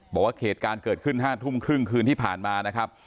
บอกว่าเหตุการณ์เกิดขึ้น๕ทุ่มครึ่งคืนที่ผ่านมานะครับ